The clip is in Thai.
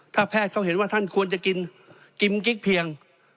ถ้าแพทย์เขาเห็นว่าท่านควรจะกินกินกิ๊กเพียง